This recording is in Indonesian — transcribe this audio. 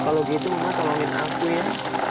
kalau gitu mama tolongin aku ya